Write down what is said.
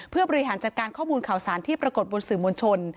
เพื่อบริหารจัดการข้อมูลข่าวสารที่ปรากฏบนสื่อมวลชน